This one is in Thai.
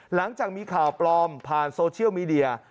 หลังจากมีข่าวปลอมผ่านโซเชียลมีเดีย